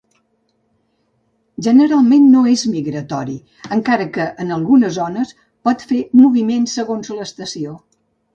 Generalment no es migratori, encara que en algunes zones pot fer moviments segons l"estació.